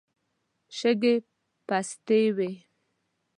شګې پستې وې.